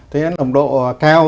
thế nồng độ cao